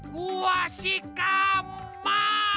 gua si kamal